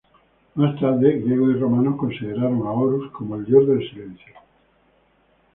Más tarde, griegos y romanos consideraron a Horus como el dios del silencio.